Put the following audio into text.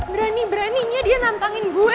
berani beraninya dia nantangin gue